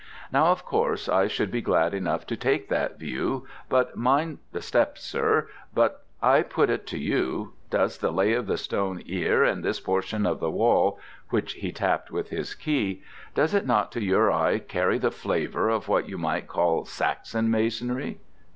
Now of course I should be glad enough to take that view, but mind the step, sir but, I put it to you does the lay of the stone 'ere in this portion of the wall (which he tapped with his key) does it to your eye carry the flavour of what you might call Saxon masonry?